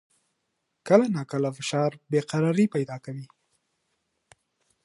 کله ناکله فشار بې قراري پیدا کوي.